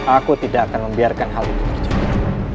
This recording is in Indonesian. aku tidak akan membiarkan hal itu terjadi